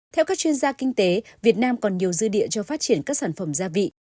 theo các chuyên gia kinh tế việt nam còn nhiều dư địa cho phát triển các sản phẩm gia vị